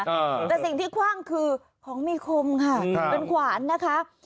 เออแต่สิ่งที่คว่างคือของมีคมค่ะครับเป็นขวานนะคะ